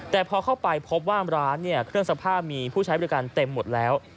แต่พอเข้าไปพบว่าร้านเครื่องซักผ้ามีผู้ใช้บริการเต็มหมดแล้ว